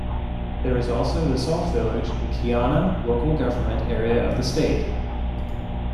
There is also the Salt Village in Keana Local Government Area of the State.